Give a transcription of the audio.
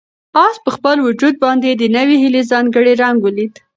آس په خپل وجود باندې د نوې هیلې ځانګړی رنګ ولید.